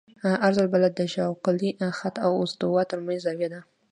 عرض البلد د شاقولي خط او استوا ترمنځ زاویه ده